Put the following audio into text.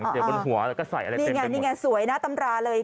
แล้วก็ใส่อะไรเต็มนี่ไงนี่ไงสวยนะตำราเลย